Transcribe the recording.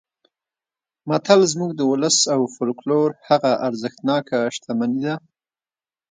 متل زموږ د ولس او فولکلور هغه ارزښتناکه شتمني ده